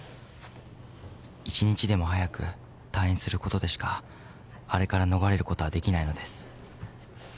［１日でも早く退院することでしかあれから逃れることはできないのです］